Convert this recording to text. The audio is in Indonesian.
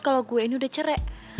kalau gue ini udah cerek